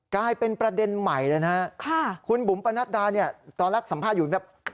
กลายเป็นประเด็นใหม่เลยนะฮะคุณบุ๋มปนัดดาเนี่ยตอนแรกสัมภาษณ์อยู่แบบ